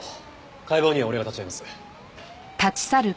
解剖には俺が立ち会います。